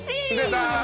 出た！